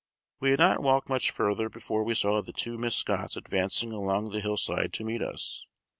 We had not walked much further before we saw the two Miss Scotts advancing along the hillside to meet us.